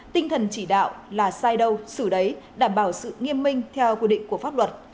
tinh thần chỉ đạo là sai đâu xử đấy đảm bảo sự nghiêm minh theo quy định của pháp luật